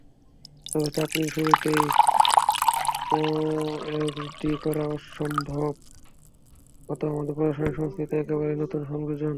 তবে চাকরির শুরুতেই ওএসডি করা সম্ভবত আমাদের প্রশাসনিক সংস্কৃতিতে একেবারেই নতুন সংযোজন।